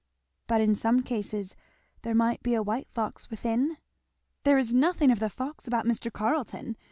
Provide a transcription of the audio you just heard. "But in some cases there might be a white fox within?" "There is nothing of the fox about Mr. Carleton!"